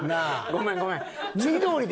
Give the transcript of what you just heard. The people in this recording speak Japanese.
ごめんごめん。